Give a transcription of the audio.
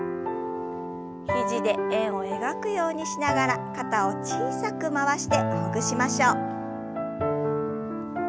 肘で円を描くようにしながら肩を小さく回してほぐしましょう。